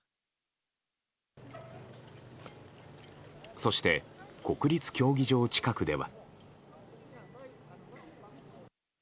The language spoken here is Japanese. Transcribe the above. そして、国立競技場近くでは。